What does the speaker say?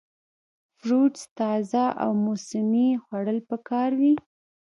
فروټس تازه او موسمي خوړل پکار وي -